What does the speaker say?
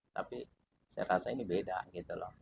tapi saya rasa ini beda gitu loh